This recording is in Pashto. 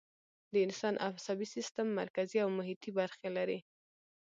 د انسان عصبي سیستم مرکزي او محیطی برخې لري